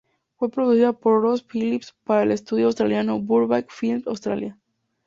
Fue producida por Roz Phillips para el estudio australiano Burbank Films Australia.